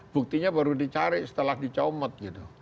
buktinya baru dicari setelah dicomot gitu